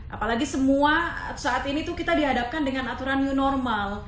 apalagi semua saat ini tuh kita dihadapkan dengan aturan new normal